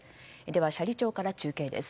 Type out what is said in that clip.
では斜里町から中継です。